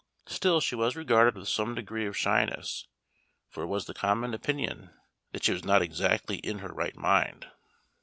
Still she was regarded with some degree of shyness, for it was the common opinion that she was not exactly in her right mind.